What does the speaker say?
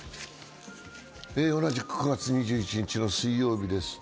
同じく９月２１日の水曜日です。